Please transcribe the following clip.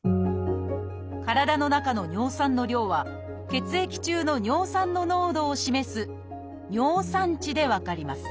体の中の尿酸の量は血液中の尿酸の濃度を示す「尿酸値」で分かります。